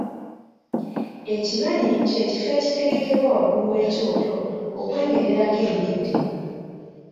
Ekibanyi ky’ekifo ekitegekebwa waggulu w’ekyoto okwengererako embidde.